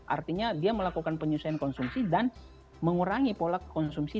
artinya dia melakukan penyusuaian konsumsi dan mengurangi pola konsumsi